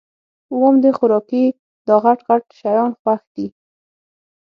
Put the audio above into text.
وام خو د خوارکي داغټ غټ شیان خوښ دي